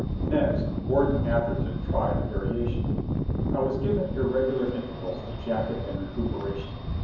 Next, Warden Atherton tried a variation. I was given irregular intervals of jacket and recuperation.